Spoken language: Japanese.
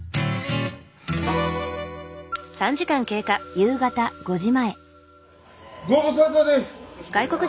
夕方５時前。